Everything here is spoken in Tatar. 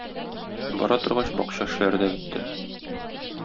Бара торгач бакча эшләре дә бетте.